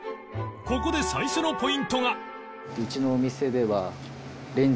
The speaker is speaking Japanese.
ここで最初のポイントが